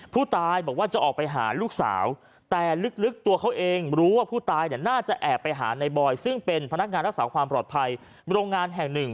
ผู้ตายบอกว่าจะออกไปหาลูกสาวแต่ลึกตัวเขาเองรู้ว่าผู้ตายเนี่ยน่าจะแอบไปหาในบอยซึ่งเป็นพนักงานรักษาความปลอดภัยโรงงานแห่งหนึ่ง